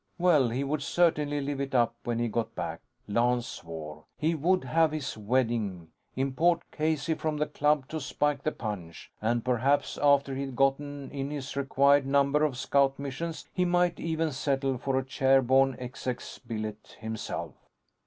_ Well, he would certainly live it up when he got back, Lance swore. He would have his wedding; import Casey from the Club to spike the punch; and, perhaps after he'd gotten in his required number of scout missions, he might even settle for a chair borne exec's billet, himself.